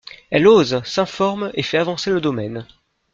Elle ose, s’informe et fait avancer le domaine.